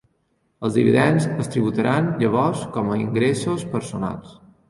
Els dividends es tributaran llavors com a ingressos personals.